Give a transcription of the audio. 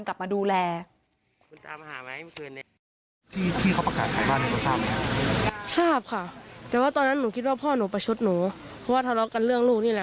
กลับมาดูแล